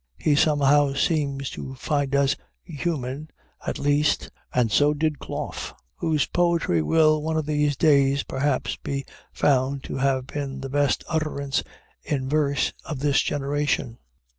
He somehow seems to find us human, at least, and so did Clough, whose poetry will one of these days, perhaps, be found to have been the best utterance in verse of this generation.